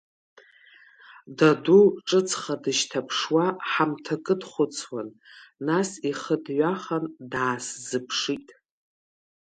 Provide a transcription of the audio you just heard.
Даду, ҿыцха дышьҭаԥшуа ҳамҭакы дхәыцуан, нас ихы дҩахан, даасзыԥшит…